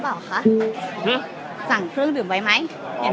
เจอหนุ่มกุ้ยก่อนเราวิทยาลัยมาเศษ